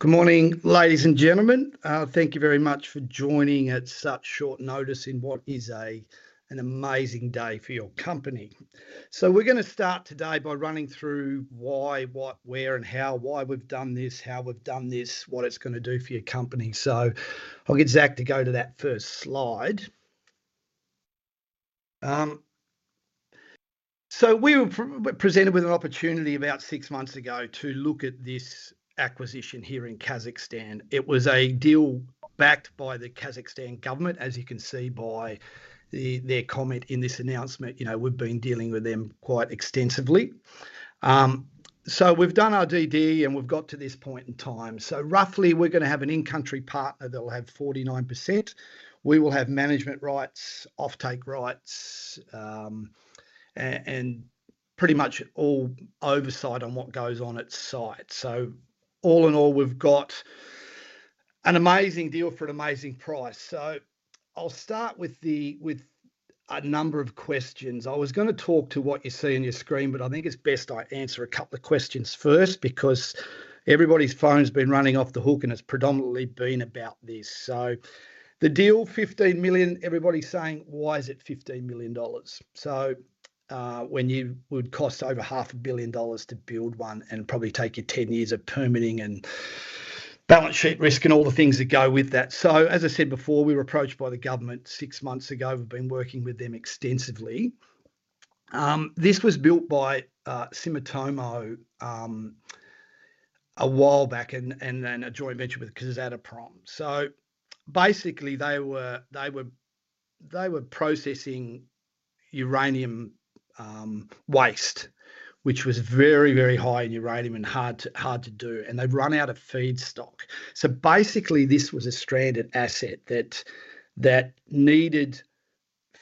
Good morning, ladies and gentlemen. Thank you very much for joining at such short notice in what is an amazing day for your company. We're gonna start today by running through why, what, where, and how. Why we've done this, how we've done this, what it's gonna do for your company. I'll get Zac to go to that first slide. We were presented with an opportunity about six months ago to look at this acquisition here in Kazakhstan. It was a deal backed by the Kazakhstan government, as you can see by their comment in this announcement. You know, we've been dealing with them quite extensively. We've done our DD, and we've got to this point in time. Roughly we're gonna have an in-country partner that'll have 49%. We will have management rights, offtake rights, and pretty much all oversight on what goes on at site. All in all, we've got an amazing deal for an amazing price. I'll start with a number of questions. I was gonna talk to what you see on your screen, but I think it's best I answer a couple of questions first, because everybody's phone's been running off the hook, and it's predominantly been about this. The deal, $15 million, everybody's saying, "Why is it $15 million?" It would cost over half a billion dollars to build one and probably take you 10 years of permitting and balance sheet risk and all the things that go with that. As I said before, we were approached by the government six months ago. We've been working with them extensively. This was built by Sumitomo a while back and then a joint venture with Kazatomprom. Basically they were processing uranium waste, which was very high in uranium and hard to do, and they've run out of feedstock. Basically this was a stranded asset that needed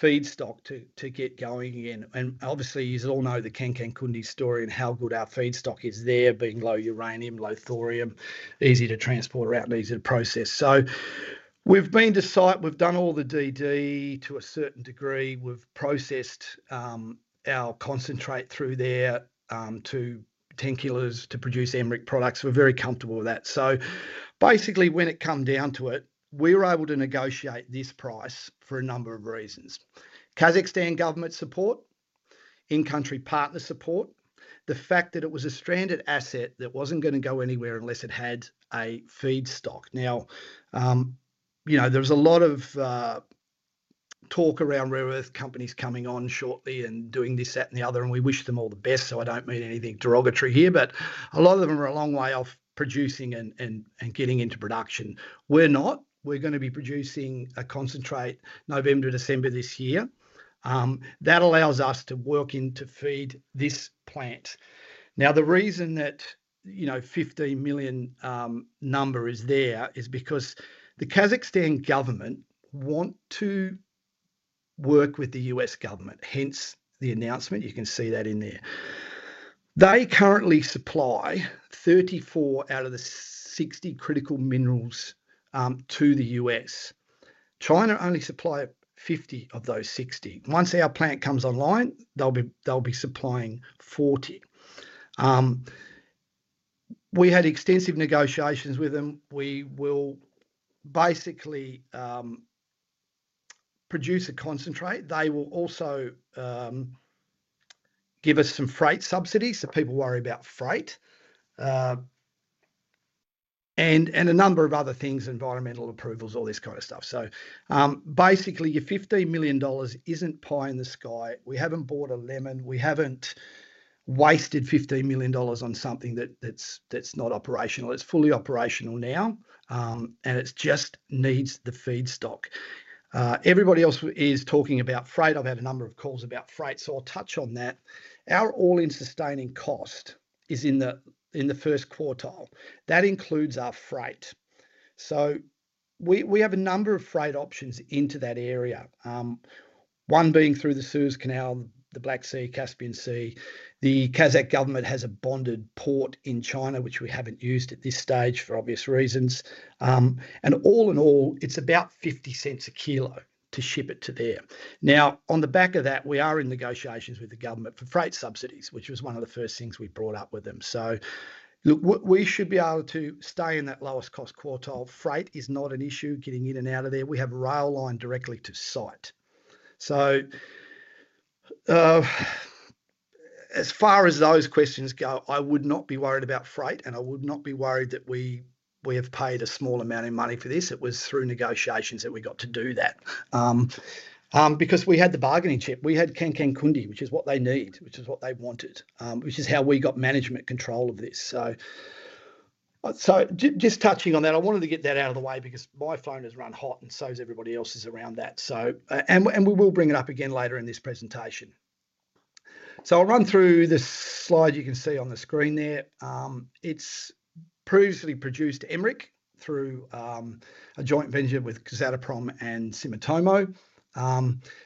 feedstock to get going again. Obviously you all know the Kangankunde story and how good our feedstock is there, being low uranium, low thorium, easy to transport around and easy to process. We've been to site, we've done all the DD to a certain degree. We've processed our concentrate through there to 10 kls to produce MREC products. We're very comfortable with that. Basically when it come down to it, we were able to negotiate this price for a number of reasons. Kazakhstan government support, in-country partner support, the fact that it was a stranded asset that wasn't gonna go anywhere unless it had a feedstock. Now, you know, there was a lot of talk around rare earth companies coming on shortly and doing this, that, and the other, and we wish them all the best, so I don't mean anything derogatory here. A lot of them are a long way off producing and getting into production. We're not. We're gonna be producing a concentrate November, December this year. That allows us to work in to feed this plant. The reason that, you know, 15 million number is there is because the Kazakhstan government want to work with the U.S. government, hence the announcement. You can see that in there. They currently supply 34 out of the 60 critical minerals to the U.S. China only supply 50 of those 60. Once our plant comes online, they'll be supplying 40. We had extensive negotiations with them. We will basically produce a concentrate. They will also give us some freight subsidies, so people worry about freight. And a number of other things, environmental approvals, all this kind of stuff. Basically your $15 million isn't pie in the sky. We haven't bought a lemon. We haven't wasted $15 million on something that's not operational. It's fully operational now, and it just needs the feedstock. Everybody else is talking about freight. I've had a number of calls about freight, so I'll touch on that. Our all-in sustaining cost is in the first quartile. That includes our freight. We have a number of freight options into that area. One being through the Suez Canal, the Black Sea, Caspian Sea. The Kazakh government has a bonded port in China, which we haven't used at this stage for obvious reasons. All in all, it's about $0.50 a kilo to ship it to there. On the back of that, we are in negotiations with the government for freight subsidies, which was one of the first things we brought up with them. Look, we should be able to stay in that lowest cost quartile. Freight is not an issue getting in and out of there. We have a rail line directly to site. As far as those questions go, I would not be worried about freight, and I would not be worried that we have paid a small amount of money for this. It was through negotiations that we got to do that because we had the bargaining chip. We had Kangankunde, which is what they need, which is what they wanted, which is how we got management control of this. Just touching on that, I wanted to get that out of the way because my phone has run hot and so has everybody else's around that. We will bring it up again later in this presentation. I'll run through this slide you can see on the screen there. It's previously produced MREC through a joint venture with Kazatomprom and Sumitomo.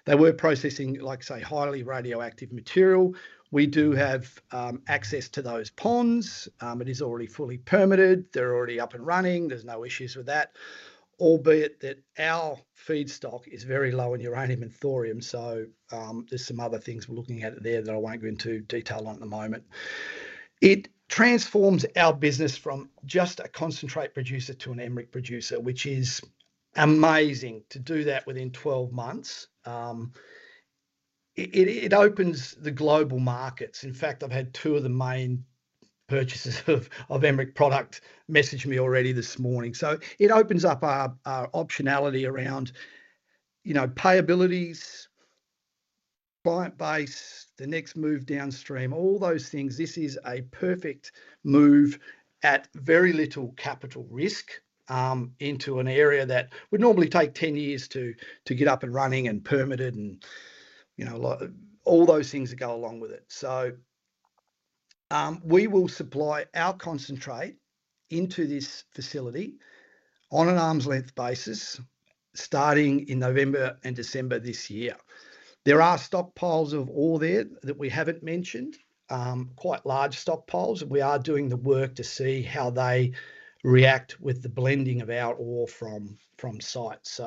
They were processing, like I say, highly radioactive material. We do have access to those ponds. It is already fully permitted. They're already up and running. There's no issues with that, albeit that our feedstock is very low in uranium and thorium. There's some other things we're looking at there that I won't go into detail on at the moment. It transforms our business from just a concentrate producer to an MREC producer, which is amazing to do that within 12 months. It opens the global markets. In fact, I've had two of the main purchasers of MREC product message me already this morning. It opens up our optionality around, you know, payabilities, client base, the next move downstream, all those things. This is a perfect move at very little capital risk into an area that would normally take 10 years to get up and running and permitted and, you know, all those things that go along with it. We will supply our concentrate into this facility on an arm's length basis starting in November and December this year. There are stockpiles of ore there that we haven't mentioned, quite large stockpiles. We are doing the work to see how they react with the blending of our ore from site.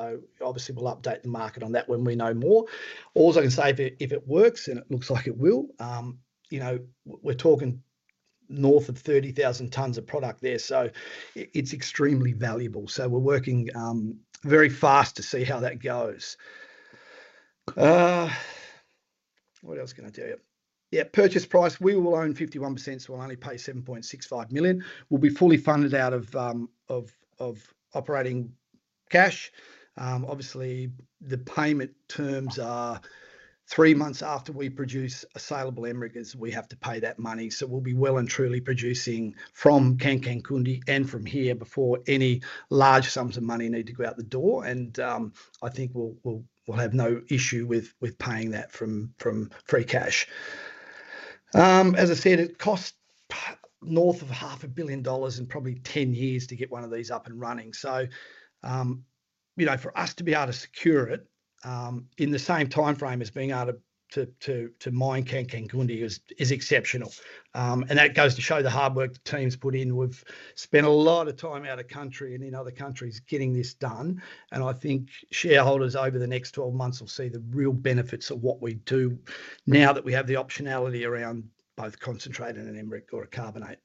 Obviously we'll update the market on that when we know more. Alls I can say if it works, and it looks like it will, you know, we're talking north of 30,000 tons of product there, so it's extremely valuable. We're working very fast to see how that goes. What else can I tell you? Yeah, purchase price. We will own 51%, so we'll only pay $7.65 million. We'll be fully funded out of operating cash. Obviously the payment terms are three months after we produce a saleable MREC is we have to pay that money. We'll be well and truly producing from Kangankunde and from here before any large sums of money need to go out the door and I think we'll have no issue with paying that from free cash. As I said, it costs north of half a billion dollars and probably 10 years to get one of these up and running. You know, for us to be able to secure it in the same timeframe as being able to mine Kangankunde is exceptional. That goes to show the hard work the team's put in. We've spent a lot of time out of country and in other countries getting this done. I think shareholders over the next 12 months will see the real benefits of what we do now that we have the optionality around both concentrate and an MREC or a carbonate.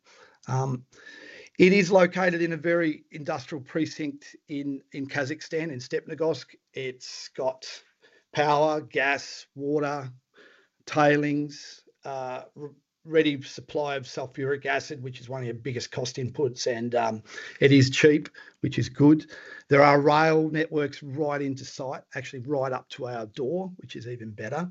It is located in a very industrial precinct in Kazakhstan, in Stepnogorsk. It's got power, gas, water, tailings, ready supply of sulfuric acid, which is one of your biggest cost inputs and it is cheap, which is good. There are rail networks right into site, actually right up to our door, which is even better.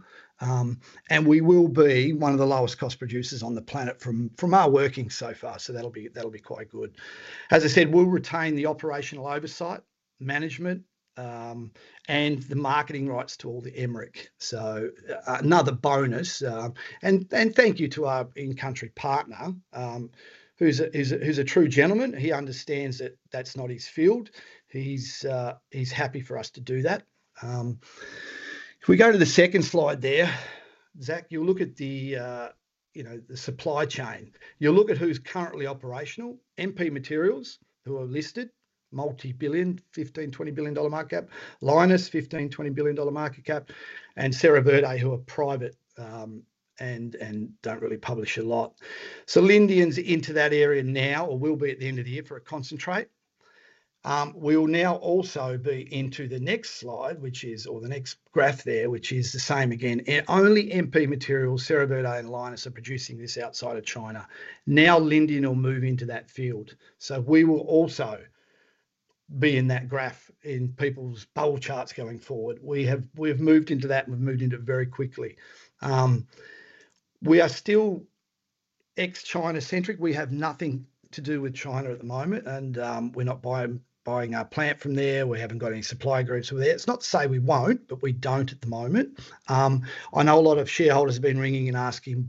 We will be one of the lowest cost producers on the planet from our working so far, so that'll be quite good. As I said, we'll retain the operational oversight, management, and the marketing rights to all the MREC. Another bonus, and thank you to our in-country partner, who's a true gentleman. He understands that that's not his field. He's happy for us to do that. If we go to the second slide there, Zac, you'll look at, you know, the supply chain. You'll look at who's currently operational. MP Materials, who are listed, multi-billion, $15 billion-$20 billion market cap. Lynas, $15 billion-$20 billion market cap. Cerberus, who are private, and don't really publish a lot. Lindian's into that area now, or will be at the end of the year for a concentrate. We will now also be into the next slide, which is... or the next graph there, which is the same again. Only MP Materials, Cerberus and Lynas are producing this outside of China. Lindian will move into that field. We will also be in that graph in people's bowl charts going forward. We have moved into that and we've moved into it very quickly. We are still ex-China-centric. We have nothing to do with China at the moment and we're not buying our plant from there. We haven't got any supply agreements with there. It's not to say we won't, but we don't at the moment. I know a lot of shareholders have been ringing and asking,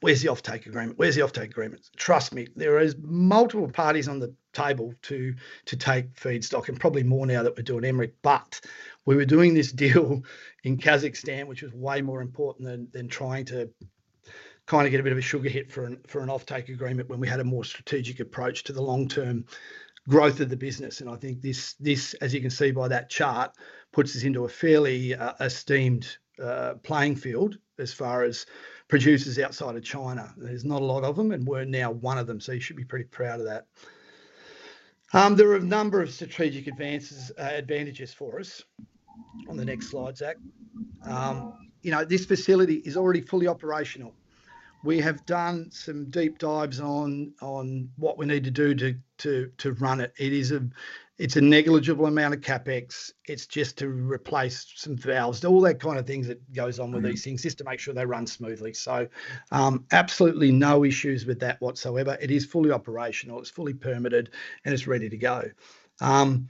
"Where's the offtake agreement? Where's the offtake agreements?" Trust me, there is multiple parties on the table to take feedstock and probably more now that we're doing MREC. We were doing this deal in Kazakhstan, which was way more important than trying to kind of get a bit of a sugar hit for an offtake agreement when we had a more strategic approach to the long-term growth of the business. I think this, as you can see by that chart, puts us into a fairly esteemed playing field as far as producers outside of China. There's not a lot of them and we're now one of them, so you should be pretty proud of that. There are a number of strategic advantages for us, on the next slide, Zac. You know, this facility is already fully operational. We have done some deep dives on what we need to do to run it. It's a negligible amount of CapEx. It's just to replace some valves. All that kind of things that goes on with these things. Mm-hmm Just to make sure they run smoothly. Absolutely no issues with that whatsoever. It is fully operational, it's fully permitted, and it's ready to go. The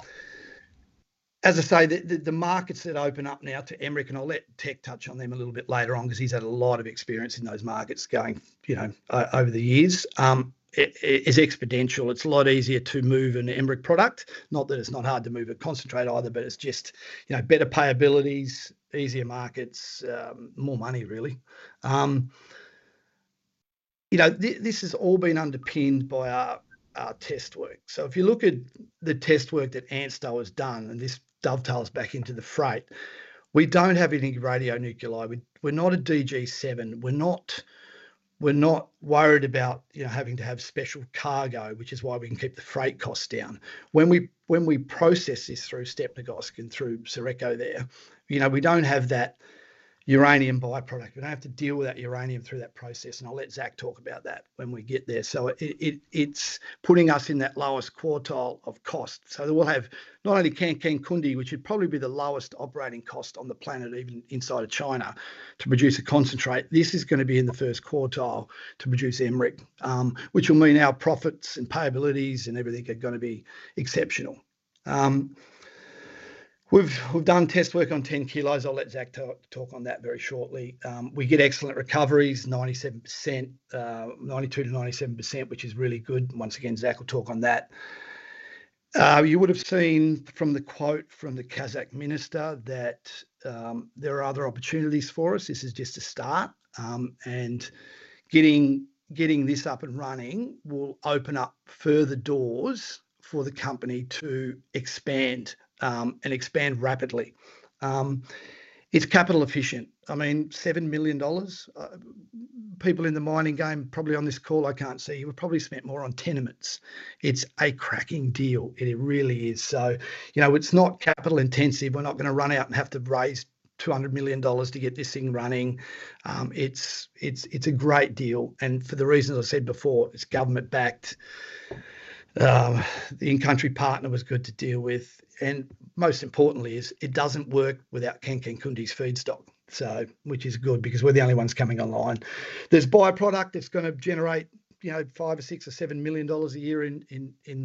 markets that open up now to MREC, and I'll let Teck touch on them a little bit later on 'cause he's had a lot of experience in those markets going, you know, over the years, it is exponential. It's a lot easier to move an MREC product. Not that it's not hard to move a concentrate either, but it's just, you know, better payabilities, easier markets, more money really. You know, this has all been underpinned by our test work. If you look at the test work that ANSTO has done, and this dovetails back into the freight, we don't have any radionuclide. We're not a DG7. We're not worried about, you know, having to have special cargo, which is why we can keep the freight costs down. When we process this through Stepnogorsk and through SARECO there, you know, we don't have that uranium by-product. We don't have to deal with that uranium through that process. I'll let Zac talk about that when we get there. It's putting us in that lowest quartile of cost. We'll have not only Kangankunde, which would probably be the lowest operating cost on the planet, even inside of China, to produce a concentrate. This is gonna be in the first quartile to produce MREC, which will mean our profits and payabilities and everything are gonna be exceptional. We've done test work on 10 kls. I'll let Zac talk on that very shortly. We get excellent recoveries, 97%, 92%-97%, which is really good. Once again, Zac will talk on that. You would have seen from the quote from the Kazakh minister that there are other opportunities for us. This is just a start. Getting this up and running will open up further doors for the company to expand and expand rapidly. It's capital efficient. I mean, $7 million? People in the mining game, probably on this call, I can't see you, have probably spent more on tenements. It's a cracking deal, and it really is. You know, it's not capital intensive. We're not gonna run out and have to raise $200 million to get this thing running. It's a great deal. For the reasons I said before, it's government backed. The in-country partner was good to deal with. Most importantly is it doesn't work without Kangankunde's feedstock, so which is good because we're the only ones coming online. There's by-product that's gonna generate, you know, $5 million or $6 million or $7 million a year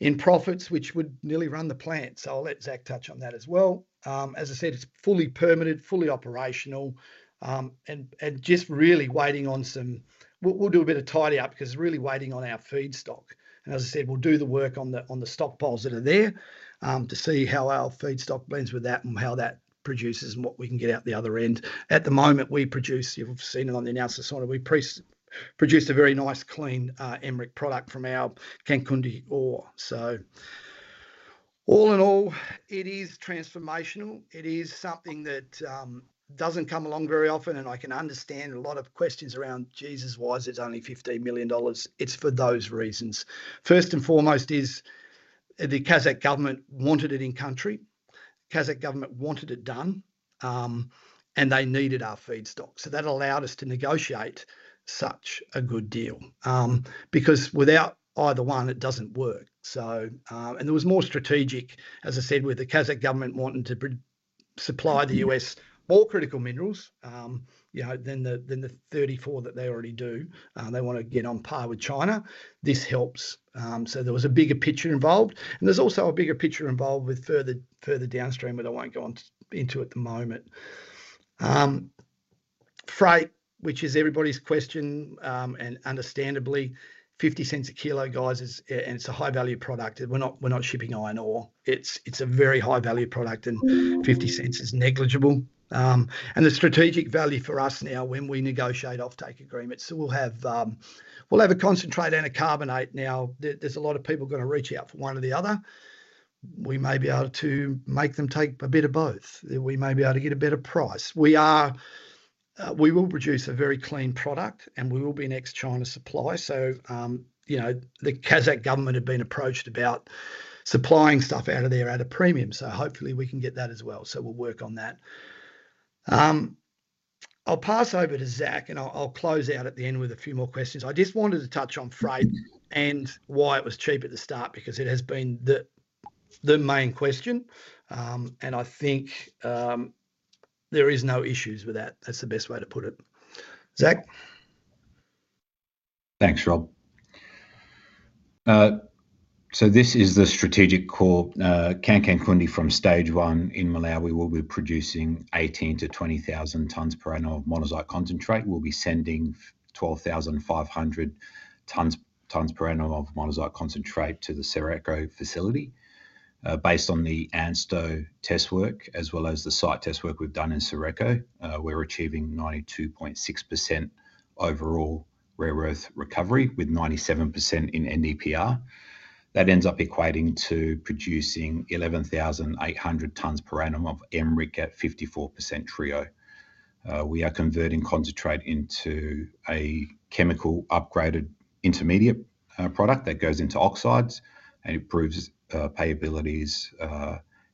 in profits, which would nearly run the plant. I'll let Zac touch on that as well. As I said, it's fully permitted, fully operational, and we'll do a bit of tidy up 'cause we're really waiting on our feedstock. As I said, we'll do the work on the stockpiles that are there to see how our feedstock blends with that and how that produces and what we can get out the other end. At the moment, we produce, you've seen it on the announcement sort of, we produced a very nice clean MREC product from our Kangankunde ore. All in all, it is transformational. It is something that doesn't come along very often. I can understand a lot of questions around, "Jesus, why is this only $15 million?" It's for those reasons. First and foremost is the Kazakh government wanted it in country. Kazakh government wanted it done, and they needed our feedstock. That allowed us to negotiate such a good deal. Because without either one, it doesn't work. And there was more strategic, as I said, with the Kazakh government wanting to supply the U.S. all critical minerals, you know, than the 34 that they already do. They want to get on par with China. This helps. So there was a bigger picture involved. There's also a bigger picture involved with further downstream, but I won't go on into it at the moment. Freight, which is everybody's question, and understandably, 0.50 a kilo, guys, is and it's a high-value product. We're not shipping iron ore. It's a very high-value product, and 0.50 is negligible. The strategic value for us now when we negotiate offtake agreements. We'll have a concentrate and a carbonate now. There's a lot of people gonna reach out for one or the other. We may be able to make them take a bit of both. We may be able to get a better price. We will produce a very clean product and we will be an ex-China supplier. You know, the Kazakh government have been approached about supplying stuff out of there at a premium. Hopefully we can get that as well. We'll work on that. I'll pass over to Zac, and I'll close out at the end with a few more questions. I just wanted to touch on freight and why it was cheap at the start, because it has been the main question. I think there is no issues with that. That's the best way to put it. Zac? Thanks, Rob. This is the strategic core, Kangankunde from Stage 1. In Malawi, we'll be producing 18,000-20,000 tons per annum of monazite concentrate. We'll be sending 12,500 tons per annum of monazite concentrate to the SARECO facility. Based on the ANSTO test work, as well as the site test work we've done in SARECO, we're achieving 92.6% overall rare earth recovery, with 97% in NdPr. That ends up equating to producing 11,800 tons per annum of MREC at 54% TREO. We are converting concentrate into a chemical upgraded intermediate, product that goes into oxides and improves, payabilities,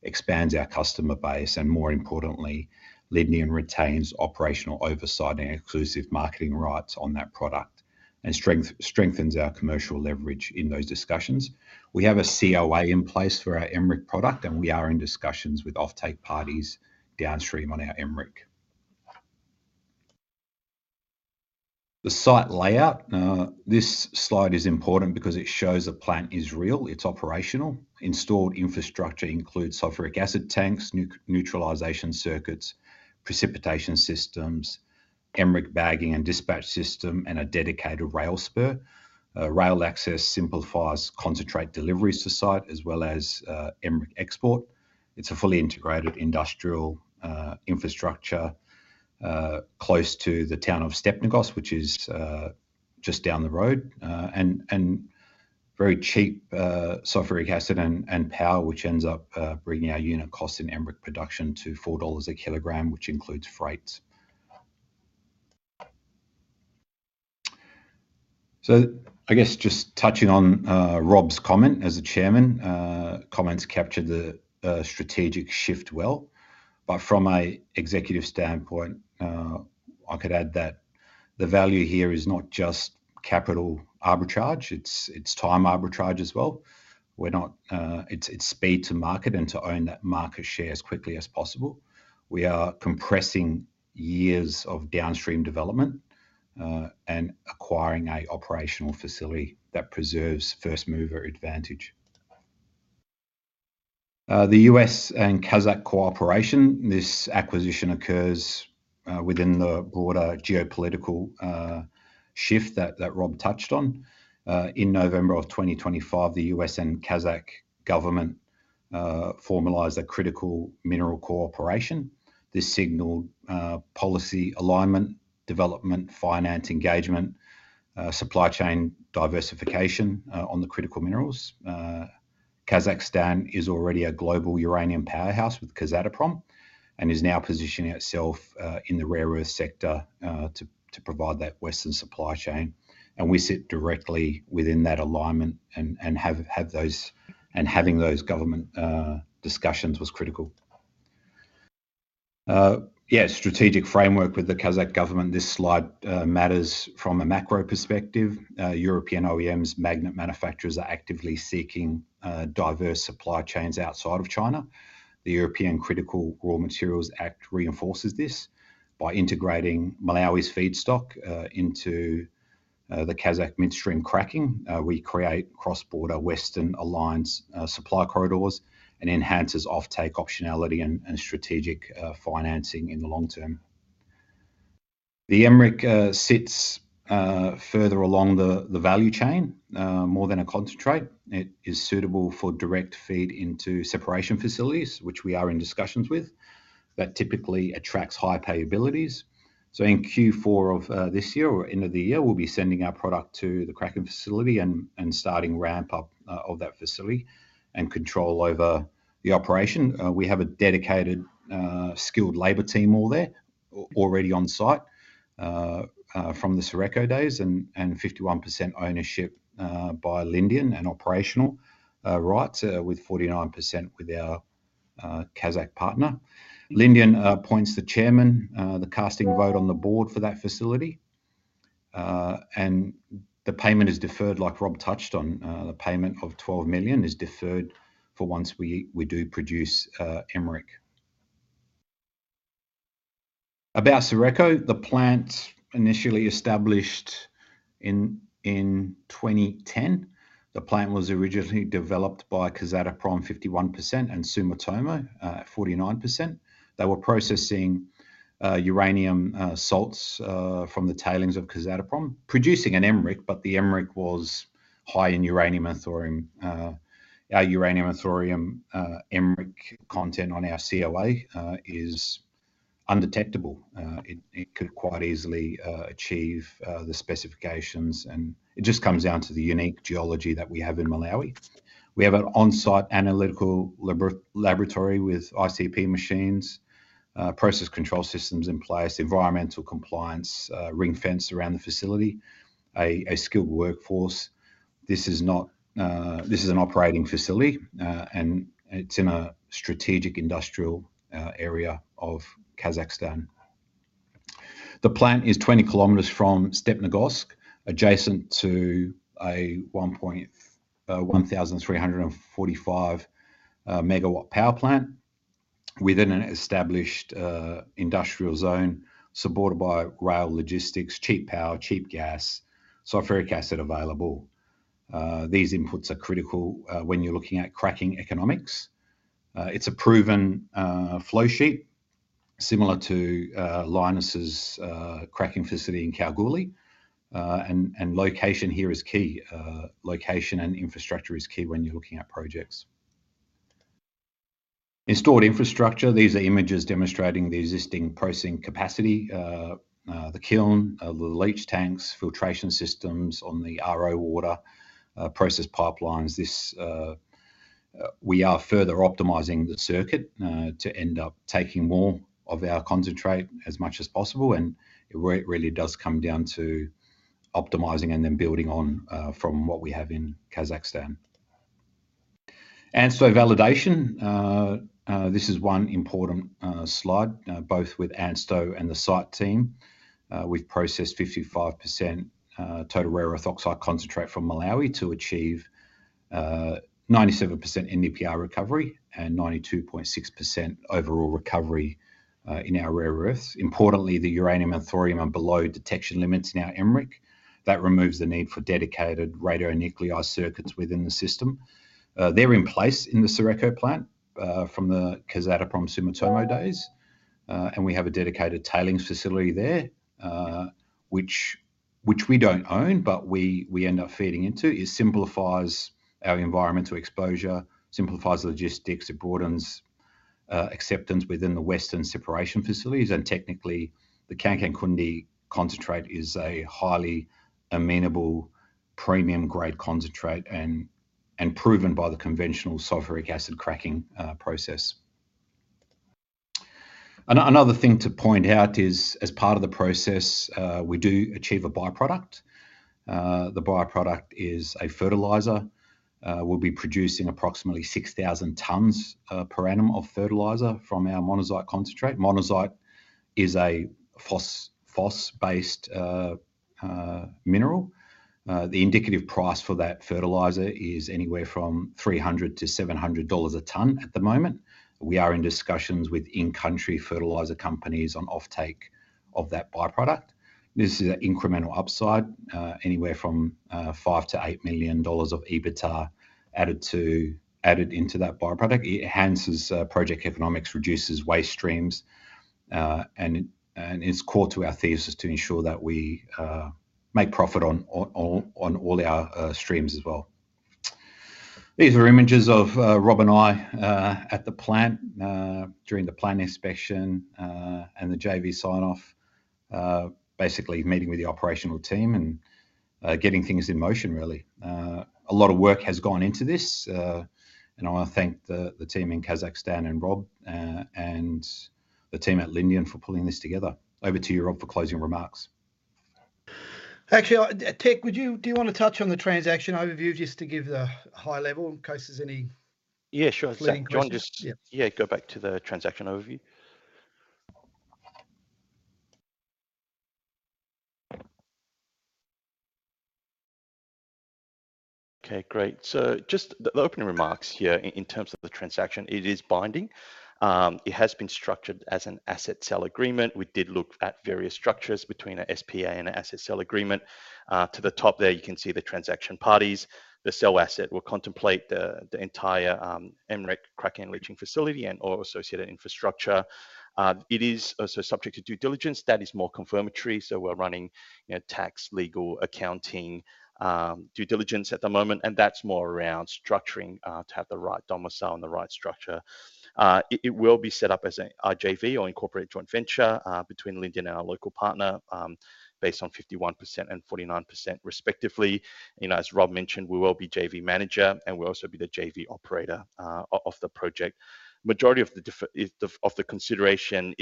expands our customer base, and more importantly, Lindian retains operational oversight and exclusive marketing rights on that product, and strengthens our commercial leverage in those discussions. We have a COA in place for our MREC product, and we are in discussions with offtake parties downstream on our MREC. The site layout. This slide is important because it shows the plant is real, it's operational. Installed infrastructure includes sulfuric acid tanks, neutralization circuits, precipitation systems, MREC bagging and dispatch system, and a dedicated rail spur. Rail access simplifies concentrate deliveries to site, as well as MREC export. It's a fully integrated industrial infrastructure close to the town of Stepnogorsk, which is just down the road. And very cheap sulfuric acid and power, which ends up bringing our unit cost in MREC production to $4 a kilogram, which includes freight. I guess just touching on Rob's comment as the chairman, comments captured the strategic shift well. From an executive standpoint, I could add that the value here is not just capital arbitrage, it's time arbitrage as well. We're not, it's speed to market and to own that market share as quickly as possible. We are compressing years of downstream development and acquiring an operational facility that preserves first-mover advantage. The U.S. and Kazakh cooperation. This acquisition occurs within the broader geopolitical shift that Rob touched on. In November of 2025, the U.S. and Kazakh government formalized a critical mineral cooperation. This signaled policy alignment, development, finance engagement, supply chain diversification on the critical minerals. Kazakhstan is already a global uranium powerhouse with Kazatomprom, and is now positioning itself in the rare earth sector to provide that Western supply chain. We sit directly within that alignment and having those government discussions was critical. Strategic framework with the Kazakh government. This slide matters from a macro perspective. European OEMs magnet manufacturers are actively seeking diverse supply chains outside of China. The European Critical Raw Materials Act reinforces this by integrating Malawi's feedstock into the Kazakh midstream cracking. We create cross-border Western alliance supply corridors and enhances offtake optionality and strategic financing in the long-term. The SARECO sits further along the value chain, more than a concentrate. It is suitable for direct feed into separation facilities, which we are in discussions with, that typically attracts high payabilities. In Q4 of this year or end of the year, we'll be sending our product to the cracking facility and starting ramp up of that facility and control over the operation. We have a dedicated skilled labor team all there already on site from the SARECO days, and 51% ownership by Lindian and operational rights with 49% with our Kazakh partner. Lindian appoints the chairman, the casting vote on the board for that facility. The payment is deferred, like Rob touched on. The payment of $12 million is deferred for once we do produce MREC. About SARECO. The plant initially established in 2010. The plant was originally developed by Kazatomprom 51% and Sumitomo 49%. They were processing uranium salts from the tailings of Kazatomprom, producing an MREC, but the MREC was high in uranium and thorium. Our uranium and thorium MREC content on our COA is undetectable. It could quite easily achieve the specifications, and it just comes down to the unique geology that we have in Malawi. We have an on-site analytical laboratory with ICP machines, process control systems in place, environmental compliance, a ring-fence around the facility, a skilled workforce. This is an operating facility, and it's in a strategic industrial area of Kazakhstan. The plant is 20 km from Stepnogorsk, adjacent to a 1,345 MW power plant within an established industrial zone supported by rail logistics, cheap power, cheap gas, sulfuric acid available. These inputs are critical when you're looking at cracking economics. It's a proven flow sheet similar to Lynas's cracking facility in Kalgoorlie. Location here is key. Location and infrastructure is key when you're looking at projects. Installed infrastructure. These are images demonstrating the existing processing capacity. The kiln, the leach tanks, filtration systems on the RO water, process pipelines. This, we are further optimizing the circuit to end up taking more of our concentrate as much as possible, and it really does come down to optimizing and then building on from what we have in Kazakhstan. ANSTO validation. This is one important slide, both with ANSTO and the site team. We've processed 55% total rare earth oxide concentrate from Malawi to achieve 97% NdPr recovery and 92.6% overall recovery in our rare earths. Importantly, the uranium and thorium are below detection limits in our MREC. That removes the need for dedicated radionuclide circuits within the system. They're in place in the SARECO plant from the Kazatomprom Sumitomo days. We have a dedicated tailings facility there, which we don't own, but we end up feeding into. It simplifies our environmental exposure, simplifies the logistics, it broadens acceptance within the western separation facilities. Technically, the Kangankunde concentrate is a highly amenable premium grade concentrate and proven by the conventional sulfuric acid baking process. Another thing to point out is, as part of the process, we do achieve a by-product. The by-product is a fertilizer, we'll be producing approximately 6,000 tons per annum of fertilizer from our monazite concentrate. Monazite is a phosphate-based mineral. The indicative price for that fertilizer is anywhere from $300-$700 a ton at the moment. We are in discussions with in-country fertilizer companies on offtake of that by-product. This is an incremental upside, anywhere from $5 million-$8 million of EBITDA added into that by-product. It enhances project economics, reduces waste streams, and it's core to our thesis to ensure that we make profit on all our streams as well. These are images of Rob and I at the plant during the plant inspection and the JV sign-off. Basically meeting with the operational team and getting things in motion, really. A lot of work has gone into this, and I want to thank the team in Kazakhstan and Rob, and the team at Lindian for pulling this together. Over to you, Rob, for closing remarks. Actually, Teck, Do you want to touch on the transaction overview just to give the high level in case there's any. Yeah, sure. Leading questions. Zac, do you want to just- Yeah. Yeah, go back to the transaction overview. Okay, great. Just the opening remarks here in terms of the transaction, it is binding. It has been structured as an asset sale agreement. We did look at various structures between a SPA and an asset sale agreement. To the top there, you can see the transaction parties. The sale asset will contemplate the entire MREC cracking and leaching facility and all associated infrastructure. It is also subject to due diligence. That is more confirmatory. We're running, you know, tax, legal, accounting, due diligence at the moment, and that's more around structuring to have the right domicile and the right structure. It will be set up as a JV or incorporated joint venture between Lindian and our local partner, based on 51% and 49% respectively. You know, as Rob mentioned, we will be JV manager, and we'll also be the JV operator of the project. Majority of the consideration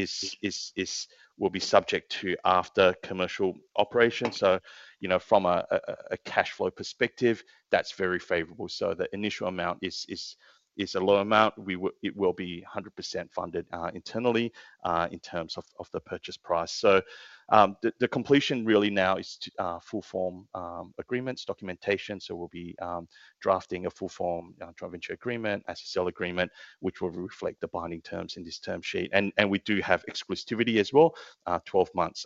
will be subject to after commercial operation. You know, from a cash flow perspective, that's very favorable. The initial amount is a low amount. It will be 100% funded internally in terms of the purchase price. The completion really now is to full form agreements, documentation. We'll be drafting a full form Joint Venture Agreement, Asset Sale Agreement, which will reflect the binding terms in this term sheet. We do have exclusivity as well, 12 months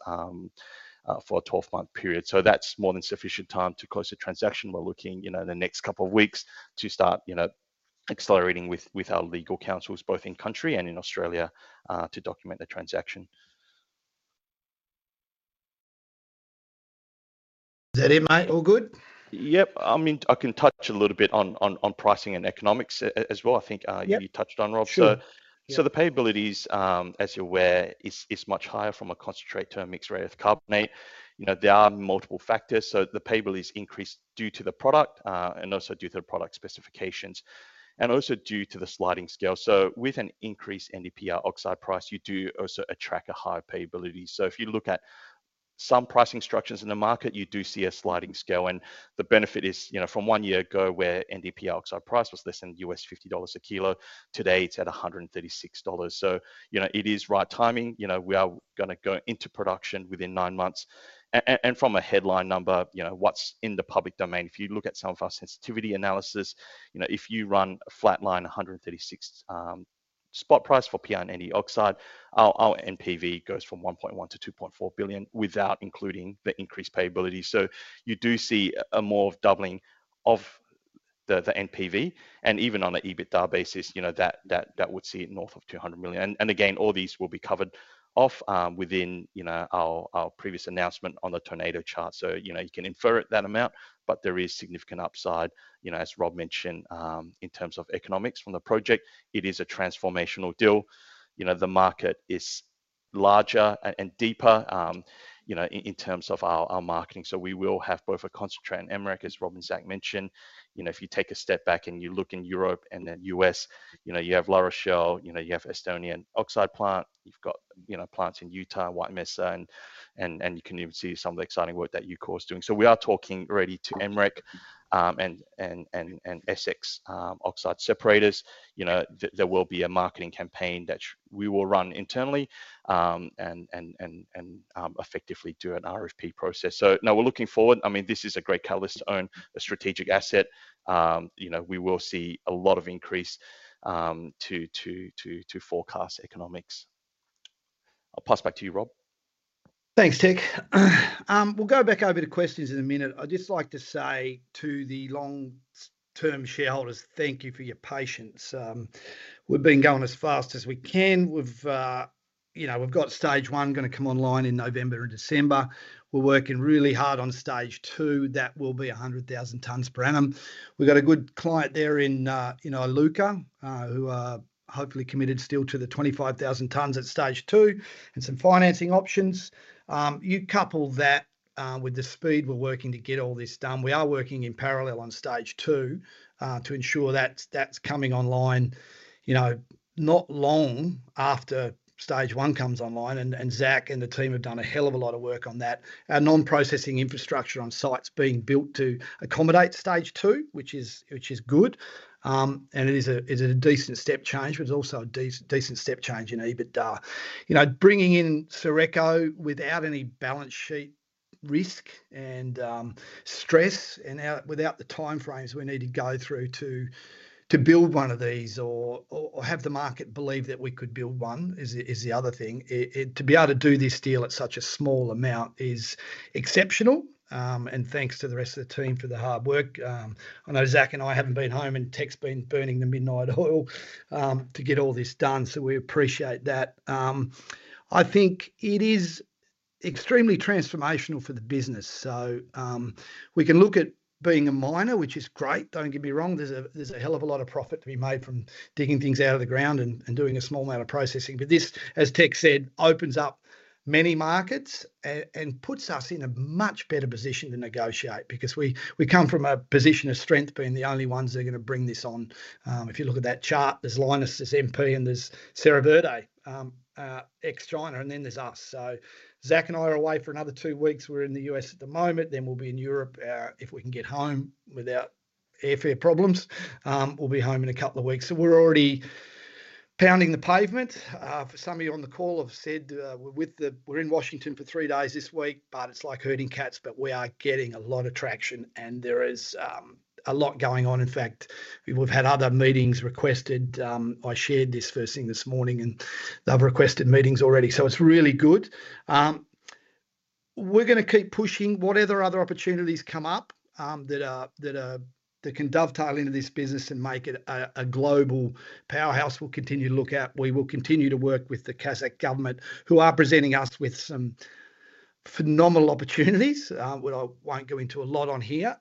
for a 12-month period. That's more than sufficient time to close the transaction. We're looking, you know, in the next couple of weeks to start, you know, accelerating with our legal counsels, both in country and in Australia, to document the transaction. Is that it, mate? All good? Yep. I mean, I can touch a little bit on pricing and economics as well. I think. Yep You touched on, Rob. Sure. Yep. The payabilities, as you're aware, is much higher from a concentrate to a mixed rare earth carbonate. You know, there are multiple factors. The payables increased due to the product, and also due to the product specifications, and also due to the sliding scale. With an increased NdPr oxide price, you do also attract a higher payability. If you look at some pricing structures in the market, you do see a sliding scale. The benefit is, you know, from one year ago, where NdPr oxide price was less than $50 a kilo, today it's at $136. You know, it is right timing. You know, we are gonna go into production within nine months. From a headline number, you know, what's in the public domain, if you look at some of our sensitivity analysis, you know, if you run flat line 136 spot price for PrNd oxide, our NPV goes from $1.1 billion-$2.4 billion without including the increased payability. You do see a more of doubling of the NPV. Even on the EBITDA basis, you know, that would see it north of $200 million. Again, all these will be covered off within, you know, our previous announcement on the tornado chart. You know, you can infer it that amount, but there is significant upside, you know, as Rob mentioned, in terms of economics from the project. It is a transformational deal. You know, the market is larger and deeper, you know, in terms of our marketing. We will have both a concentrate and MREC, as Rob and Zac mentioned. You know, if you take a step back and you look in Europe and then U.S., you know, you have La Rochelle, you know, you have Estonian oxide plant, you've got, you know, plants in Utah, White Mesa, and you can even see some of the exciting work that UCORR's doing. We are talking already to MREC and SX oxide separators. You know, there will be a marketing campaign that we will run internally and effectively do an RFP process. No, we're looking forward. I mean, this is a great catalyst to own a strategic asset. You know, we will see a lot of increase to forecast economics. I'll pass back to you, Rob. Thanks, Teck. We'll go back over the questions in a minute. I'd just like to say to the long-term shareholders, thank you for your patience. We've been going as fast as we can. We've, you know, we've got Stage 1 gonna come online in November and December. We're working really hard on stage two. That will be 100,000 tons per annum. We've got a good client there in Iluka, who are hopefully committed still to the 25,000 tons at stage two and some financing options. You couple that with the speed we're working to get all this done, we are working in parallel on stage two, to ensure that's coming online, you know, not long after Stage 1 comes online. Zac and the team have done a hell of a lot of work on that. Our non-processing infrastructure on site's being built to accommodate Stage 2, which is good. It is a, it's a decent step change, but it's also a decent step change in EBITDA. You know, bringing in SARECO without any balance sheet risk and stress and out without the time frames we need to go through to build one of these or have the market believe that we could build one is the other thing. It to be able to do this deal at such a small amount is exceptional. Thanks to the rest of the team for the hard work. I know Zac and I haven't been home and Teck's been burning the midnight oil to get all this done, so we appreciate that. I think it is extremely transformational for the business. We can look at being a miner, which is great. Don't get me wrong, there's a hell of a lot of profit to be made from digging things out of the ground and doing a small amount of processing. This, as Teck said, opens up many markets and puts us in a much better position to negotiate because we come from a position of strength being the only ones that are gonna bring this on. If you look at that chart, there's Lynas, there's MP, and there's Cerro Verde, ex-China, and then there's us. Zac and I are away for another two weeks. We're in the U.S. at the moment, then we'll be in Europe. If we can get home without airfare problems, we'll be home in a couple of weeks. We're already pounding the pavement. For some of you on the call have said we're in Washington for three days this week, but it's like herding cats, but we are getting a lot of traction and there is a lot going on. In fact, we've had other meetings requested. I shared this first thing this morning and they've requested meetings already, so it's really good. We're gonna keep pushing whatever other opportunities come up that are that can dovetail into this business and make it a global powerhouse. We'll continue to look out. We will continue to work with the Kazakh government who are presenting us with some phenomenal opportunities, which I won't go into a lot on here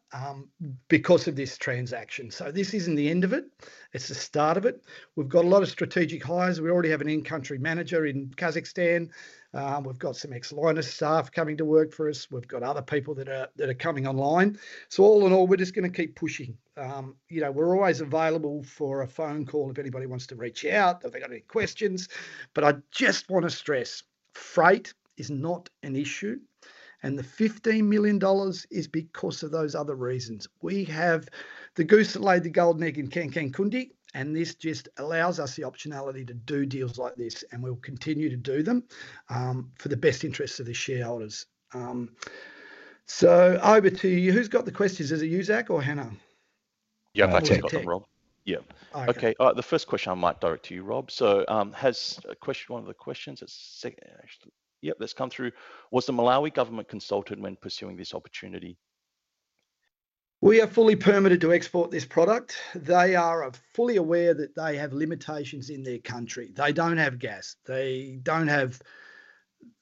because of this transaction. This isn't the end of it. It's the start of it. We've got a lot of strategic hires. We already have an in-country manager in Kazakhstan. We've got some ex-Lynas staff coming to work for us. We've got other people that are coming online. All in all, we're just gonna keep pushing. You know, we're always available for a phone call if anybody wants to reach out, if they've got any questions. I just wanna stress, freight is not an issue, and the $15 million is because of those other reasons. We have the goose that laid the gold egg in Kangankunde, and this just allows us the optionality to do deals like this, and we'll continue to do them for the best interests of the shareholders. Over to you. Who's got the questions? Is it you, Zac, or Hannah? Yeah, I think I've got them, Rob. Teck. Yeah. Okay. The first question I might direct to you, Rob. One of the questions actually, yep, that's come through. Was the Malawi government consulted when pursuing this opportunity? We are fully permitted to export this product. They are fully aware that they have limitations in their country. They don't have gas. They don't have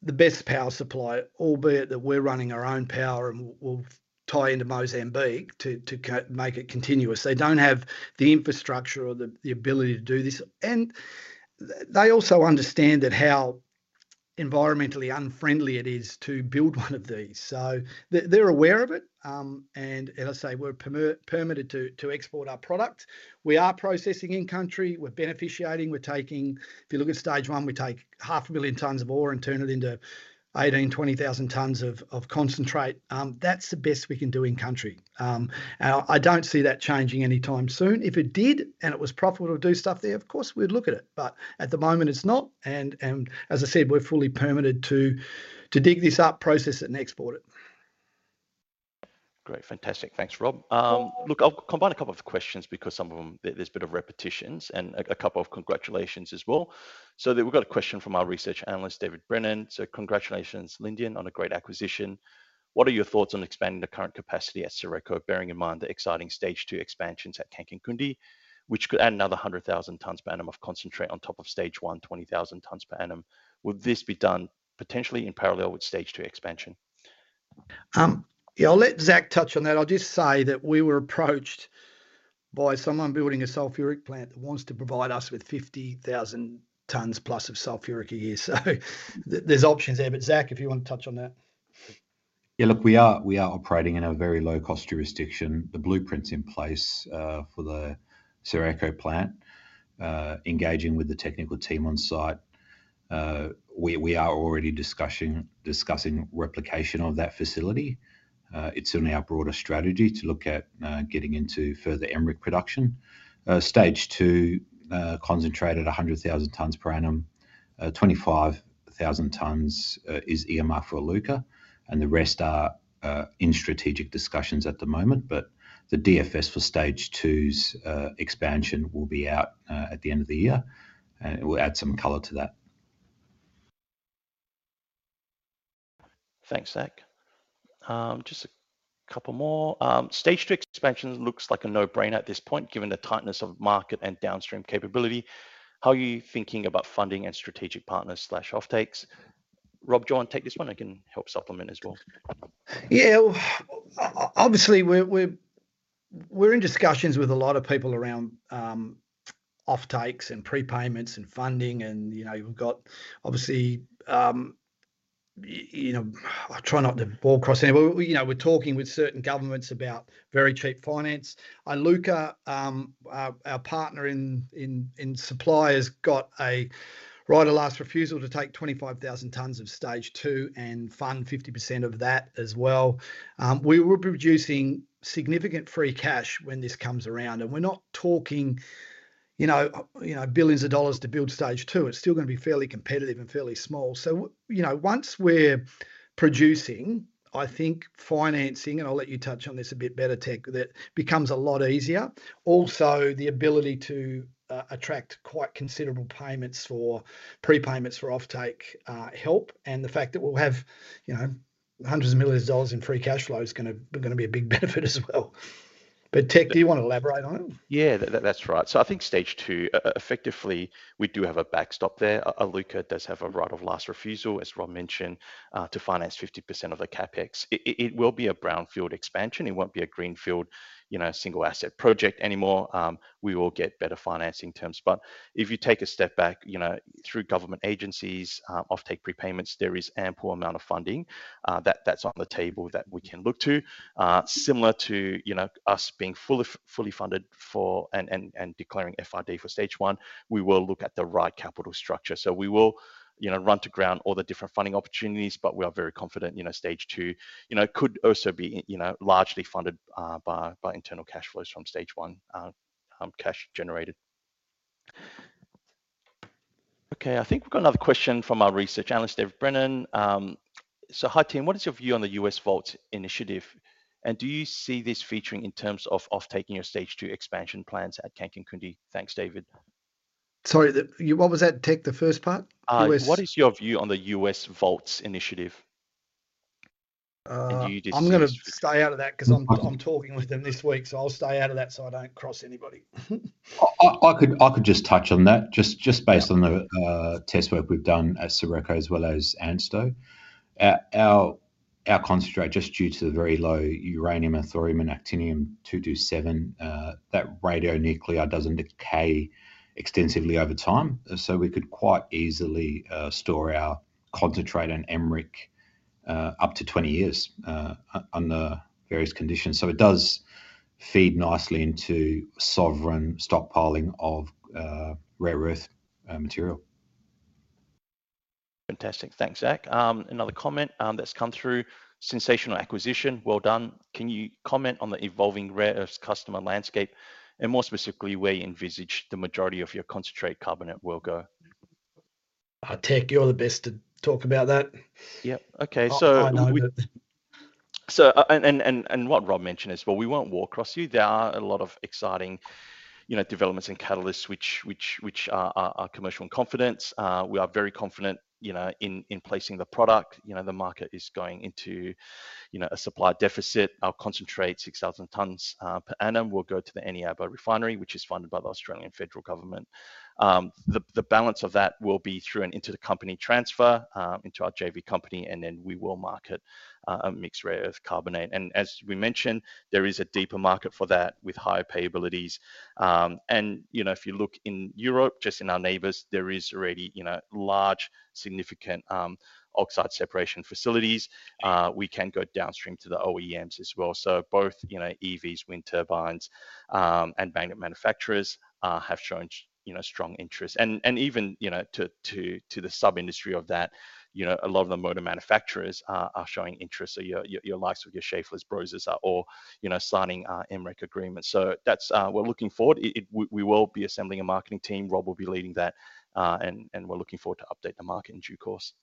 the best power supply, albeit that we're running our own power and we'll tie into Mozambique to make it continuous. They don't have the infrastructure or the ability to do this. They also understand that how environmentally unfriendly it is to build one of these. They're aware of it, and as I say, we're permitted to export our product. We are processing in country, we're beneficiating, we're taking... if you look at Stage 1, we take half a million tons of ore and turn it into 18,000-20,000 tons of concentrate. That's the best we can do in country. I don't see that changing anytime soon. If it did and it was profitable to do stuff there, of course we'd look at it. At the moment it's not, and as I said, we're fully permitted to dig this up, process it and export it. Great. Fantastic. Thanks, Rob. look, I'll combine a couple of questions because some of them there's a bit of repetitions and a couple of congratulations as well. we've got a question from our Research Analyst, David Brennan. Congratulations Lindian on a great acquisition. What are your thoughts on expanding the current capacity at SARECO, bearing in mind the exciting Stage 2 expansions at Kangankunde, which could add another 100,000 tons per annum of concentrate on top of Stage 1, 20,000 tons per annum. Would this be done potentially in parallel with Stage 2 expansion? Yeah, I'll let Zac touch on that. I'll just say that we were approached by someone building a sulfuric plant that wants to provide us with 50,000 tons plus of sulfuric a year. There's options there. Zac, if you wanna touch on that. Yeah, look, we are operating in a very low cost jurisdiction. The blueprint's in place for the SARECO plant. Engaging with the technical team on site, we are already discussing replication of that facility. It's in our broader strategy to look at getting into further MREC production. Stage 2 concentrate at 100,000 tons per annum. 25,000 tons is EMR for Iluka, and the rest are in strategic discussions at the moment. The DFS for Stage 2's expansion will be out at the end of the year and we'll add some color to that. Thanks, Zac. Just a couple more. Stage 2 expansion looks like a no-brainer at this point, given the tightness of market and downstream capability. How are you thinking about funding and strategic partners/offtakes? Rob, do you want to take this one? I can help supplement as well. Yeah. Obviously, we're in discussions with a lot of people around offtakes and prepayments and funding and, you know, you've got obviously, you know. I try not to walk across anybody. We, you know, we're talking with certain governments about very cheap finance. Iluka, our partner in supply has got a right of last refusal to take 25,000 tons of stage two and fund 50% of that as well. We will be producing significant free cash when this comes around. We're not talking, you know, billions of dollars to build stage two. It's still gonna be fairly competitive and fairly small. You know, once we're producing, I think financing, and I'll let you touch on this a bit better, Teck, that becomes a lot easier. The ability to attract quite considerable payments for prepayments for offtake help. The fact that we'll have, you know, hundreds of millions of dollars in free cash flow is gonna be a big benefit as well. Teck, do you want to elaborate on it? Yeah. That's right. I think stage two, effectively, we do have a backstop there. Iluka does have a right of last refusal, as Rob mentioned, to finance 50% of the CapEx. It will be a brownfield expansion. It won't be a greenfield, you know, single asset project anymore. We will get better financing terms. If you take a step back, you know, through government agencies, offtake prepayments, there is ample amount of funding that's on the table that we can look to. Similar to, you know, us being fully funded for and declaring FID for Stage 1, we will look at the right capital structure. We will, you know, run to ground all the different funding opportunities, but we are very confident, you know, stage two, you know, could also be, you know, largely funded by internal cash flows from Stage 1 cash generated. Okay. I think we've got another question from our Research Analyst, David Brennan. Hi, team. What is your view on the U.S. Vaults Initiative? Do you see this featuring in terms of offtaking your stage two expansion plans at Kangankunde? Thanks, David. Sorry. What was that, Teck, the first part? What is your view on the U.S. Vaults Initiative? Uh- Do you just... I'm gonna stay out of that 'cause I'm talking with them this week, so I'll stay out of that so I don't cross anybody. I could just touch on that. Just based on the test work we've done at SARECO as well as ANSTO. Our concentrate just due to the very low uranium, thorium and actinium-227, that radionuclide doesn't decay extensively over time. We could quite easily store our concentrate and MREC up to 20 years under various conditions. It does feed nicely into sovereign stockpiling of rare earth material. Fantastic. Thanks, Zac. Another comment that's come through. Sensational acquisition. Well done. Can you comment on the evolving rare earth customer landscape and more specifically, where you envisage the majority of your concentrate carbonate will go? Teck, you're the best to talk about that. Yep. Okay. I know. What Rob mentioned is, well, we won't walk across you. There are a lot of exciting, you know, developments and catalysts which are commercial and confidence. We are very confident, you know, in placing the product. You know, the market is going into, you know, a supply deficit. Our concentrate, 6,000 tons per annum, will go to the Eneabba Refinery, which is funded by the Australian Federal Government. The balance of that will be through an intercompany transfer into our JV company, and then we will market a mixed rare earth carbonate. As we mentioned, there is a deeper market for that with higher payabilities. You know, if you look in Europe, just in our neighbors, there is already, you know, large, significant oxide separation facilities. We can go downstream to the OEMs as well. Both, you know, EVs, wind turbines, and magnet manufacturers, have shown you know, strong interest. Even, you know, to the sub-industry of that, you know, a lot of the motor manufacturers are showing interest. Your likes with your Schaeffler, Brose are all, you know, signing MREC agreements. That's. We're looking forward. We will be assembling a marketing team. Rob will be leading that. We're looking forward to update the market in due course.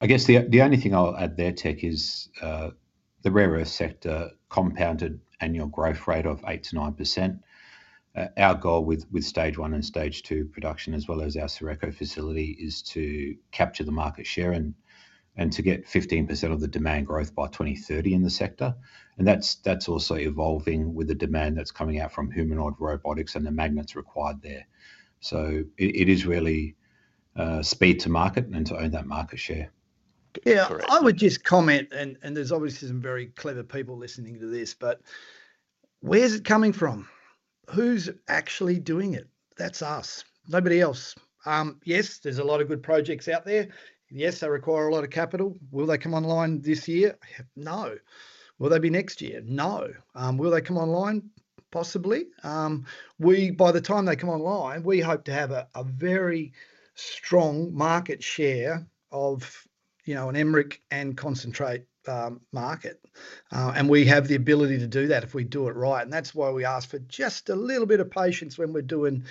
I guess the only thing I'll add there, Teck, is the rare earth sector compound annual growth rate of 8%-9%. Our goal with Stage 1 and Stage 2 production, as well as our SARECO facility, is to capture the market share and to get 15% of the demand growth by 2030 in the sector. That's also evolving with the demand that's coming out from humanoid robotics and the magnets required there. It is really speed to market and to own that market share. Yeah. Correct. I would just comment, there's obviously some very clever people listening to this, where is it coming from? Who's actually doing it? That's us. Nobody else. Yes, there's a lot of good projects out there. Yes, they require a lot of capital. Will they come online this year? No. Will they be next year? No. Will they come online? Possibly. By the time they come online, we hope to have a very strong market share of, you know, an MREC and concentrate market. We have the ability to do that if we do it right. That's why we ask for just a little bit of patience when we're doing,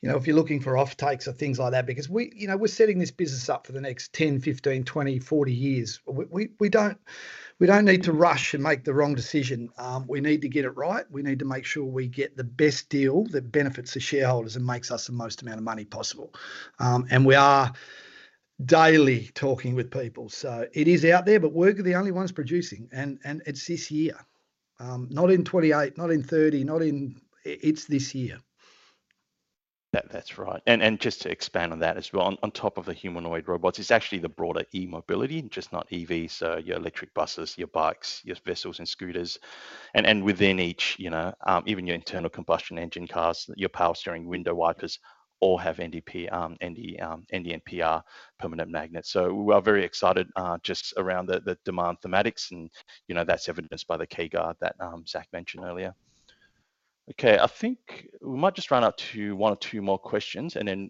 you know, if you're looking for offtakes or things like that, because we, you know, we're setting this business up for the next 10, 15, 20, 40 years. We don't need to rush and make the wrong decision. We need to get it right. We need to make sure we get the best deal that benefits the shareholders and makes us the most amount of money possible. We are daily talking with people. It is out there, but we're the only ones producing and it's this year. Not in 2028, not in 2030, not in... It's this year. That's right. Just to expand on that as well, on top of the humanoid robots, it's actually the broader e-mobility, just not EVs, so your electric buses, your bikes, your vessels and scooters. Within each, you know, even your internal combustion engine cars, your power steering, window wipers all have NdPr permanent magnets. We are very excited just around the demand thematics and, you know, that's evidenced by the CAGR that Zac mentioned earlier. I think we might just run out to one or two more questions and then,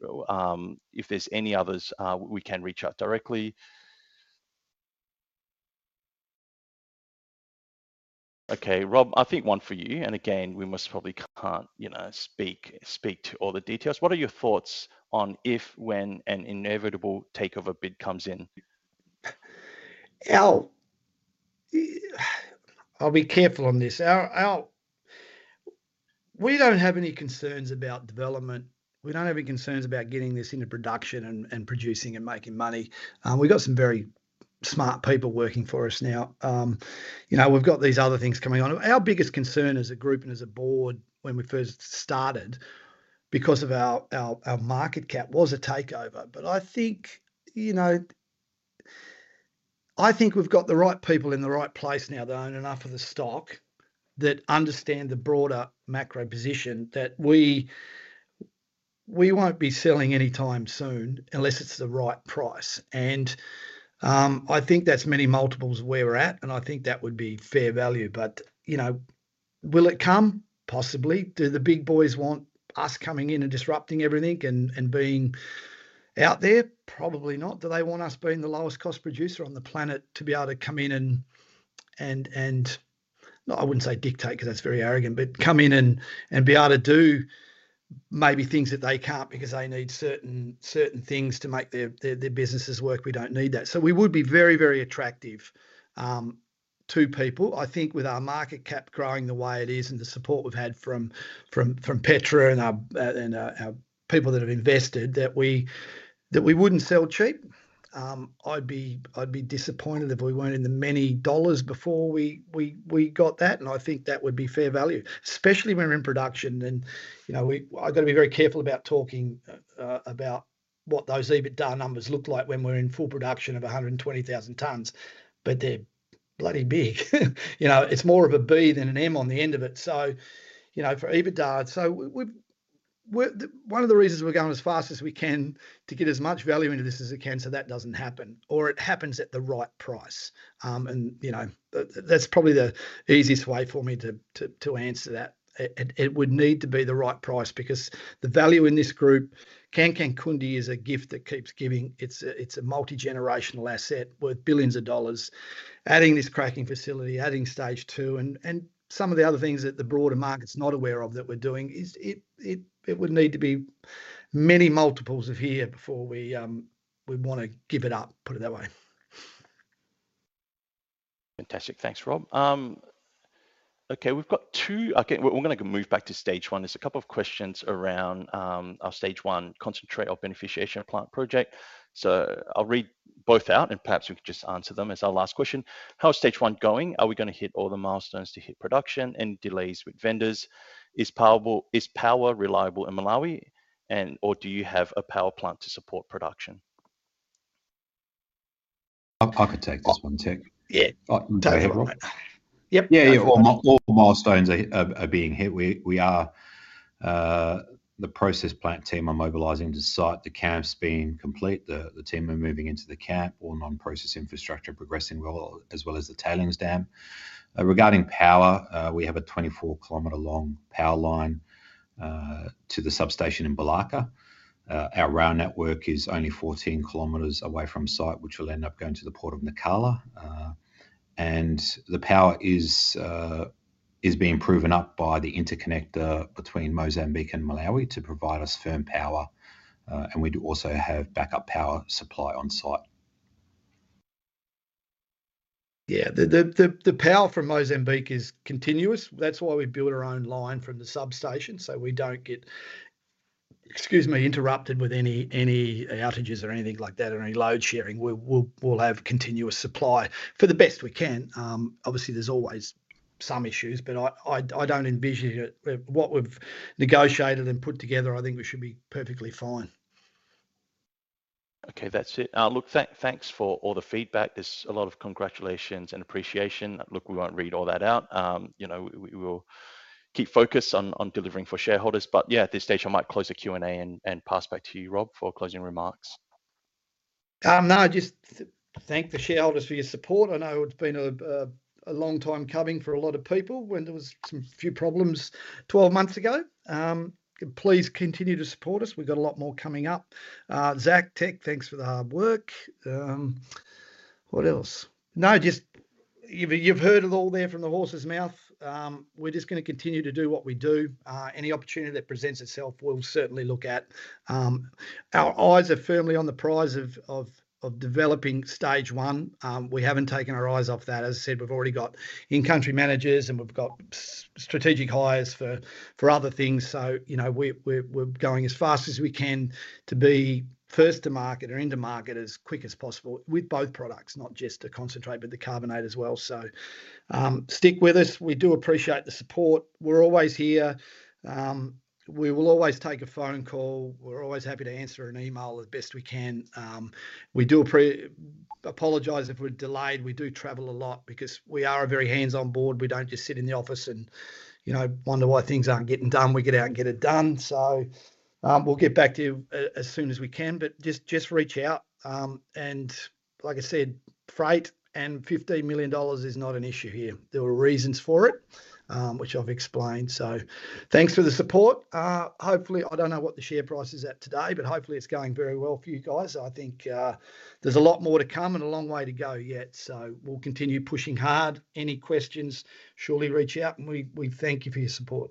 if there's any others, we can reach out directly. Rob, I think one for you, and again, we must probably can't, you know, speak to all the details. What are your thoughts on if/when an inevitable takeover bid comes in? Al, I'll be careful on this. Al, we don't have any concerns about development. We don't have any concerns about getting this into production and producing and making money. We've got some very smart people working for us now. You know, we've got these other things coming on. Our biggest concern as a group and as a board when we first started, because of our market cap was a takeover. I think, you know, I think we've got the right people in the right place now that own enough of the stock that understand the broader macro position that we won't be selling anytime soon unless it's the right price. I think that's many multiples of where we're at, and I think that would be fair value. You know, will it come? Possibly. Do the big boys want us coming in and disrupting everything and being out there? Probably not. Do they want us being the lowest cost producer on the planet to be able to come in and, I wouldn't say dictate, because that's very arrogant, but come in and be able to do maybe things that they can't because they need certain things to make their businesses work? We don't need that. We would be very, very attractive to people. I think with our market cap growing the way it is and the support we've had from Petra and our people that have invested, that we wouldn't sell cheap. I'd be disappointed if we weren't in the many dollars before we got that, and I think that would be fair value. Especially when we're in production and, you know, I've got to be very careful about talking about what those EBITDA numbers look like when we're in full production of 120,000 tons, but they're bloody big. You know, it's more of a B than an M on the end of it. You know, for EBITDA. We've, one of the reasons we're going as fast as we can to get as much value into this as we can so that doesn't happen, or it happens at the right price. You know, that's probably the easiest way for me to answer that. It would need to be the right price because the value in this group, Kangankunde is a gift that keeps giving. It's a multi-generational asset worth billions of dollars. Adding this cracking facility, adding Stage 2 and some of the other things that the broader market's not aware of that we're doing is it would need to be many multiples of here before we wanna give it up, put it that way. Fantastic. Thanks, Rob. Okay, we're gonna move back to Stage 1. There's a couple of questions around our Stage 1 concentrate, our beneficiation plant project. I'll read both out, and perhaps we can just answer them as our last question. "How is Stage 1 going? Are we gonna hit all the milestones to hit production? Any delays with vendors? Is power reliable in Malawi and/or do you have a power plant to support production? I could take this one, Teck. Yeah. Take it. Go ahead. Yep. Yeah, yeah. All milestones are being hit. We are. The process plant team are mobilizing to site. The camp's been complete. The team are moving into the camp. All non-process infrastructure progressing well, as well as the tailings dam. Regarding power, we have a 24 km long power line to the substation in Balaka. Our rail network is only 14 km away from site, which will end up going to the port of Nacala. The power is being proven up by the interconnector between Mozambique and Malawi to provide us firm power. We do also have backup power supply on site. Yeah. The power from Mozambique is continuous. That's why we built our own line from the substation. We don't get, excuse me, interrupted with any outages or anything like that, or any load-sharing. We'll have continuous supply for the best we can. Obviously there's always some issues, I don't envision it. What we've negotiated and put together, I think we should be perfectly fine. Okay. That's it. Look, thanks for all the feedback. There's a lot of congratulations and appreciation. Look, we won't read all that out. You know, we will keep focused on delivering for shareholders. Yeah, at this stage, I might close the Q&A and pass back to you, Rob, for closing remarks. No, just thank the shareholders for your support. I know it's been a long time coming for a lot of people when there was some few problems 12 months ago. Please continue to support us. We've got a lot more coming up. Zac, Teck, thanks for the hard work. What else? No, just you've heard it all there from the horse's mouth. We're just gonna continue to do what we do. Any opportunity that presents itself, we'll certainly look at. Our eyes are firmly on the prize of developing Stage 1. We haven't taken our eyes off that. As I said, we've already got in-country managers and we've got strategic hires for other things. You know, we're going as fast as we can to be first to market or into market as quick as possible with both products, not just the concentrate, but the carbonate as well. Stick with us. We do appreciate the support. We're always here. We will always take a phone call. We're always happy to answer an email as best we can. We do apologize if we're delayed. We do travel a lot because we are a very hands-on board. We don't just sit in the office and, you know, wonder why things aren't getting done. We get out and get it done. We'll get back to you as soon as we can. Just reach out. Like I said, freight and $15 million is not an issue here. There were reasons for it, which I've explained. Thanks for the support. Hopefully, I don't know what the share price is at today, but hopefully it's going very well for you guys. I think, there's a lot more to come and a long way to go yet. We'll continue pushing hard. Any questions, surely reach out, and we thank you for your support